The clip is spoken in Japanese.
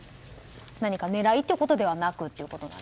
何か狙いということではなくと。